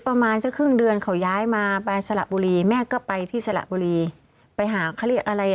ประมาณสักครึ่งเดือนเขาย้ายมาไปสระบุรีแม่ก็ไปที่สระบุรีไปหาเขาเรียกอะไรอ่ะ